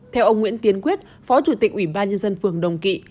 theo ông nguyễn tiến quyết phó chủ tịch ủy ban nhân dân phường đồng kỵ